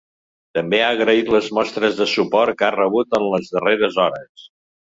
També ha agraït les mostres de suport que ha rebut en les darreres hores.